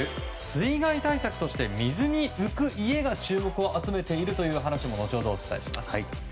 水害対策として水に浮く家が注目を集めているという話も後ほどお伝えします。